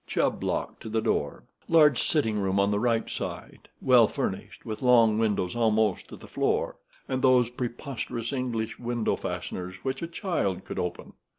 Chubb lock to the door. Large sitting room on the right side, well furnished, with long windows almost to the floor, and those preposterous English window fasteners which a child could open.